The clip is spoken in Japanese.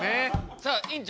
さあ院長